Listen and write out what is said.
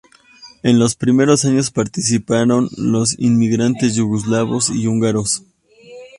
En los primeros años participaron los inmigrantes yugoslavos y húngaros.